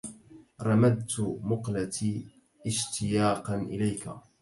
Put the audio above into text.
رمدت مقلتي اشتياقا إليكا